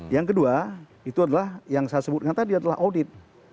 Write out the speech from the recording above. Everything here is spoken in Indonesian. yang kedua itu adalah yang saya sebutkan tadi adalah audit